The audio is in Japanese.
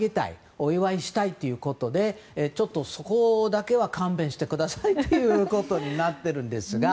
お祝いしたいということでそこだけは勘弁してくださいっていうことになっているんですが。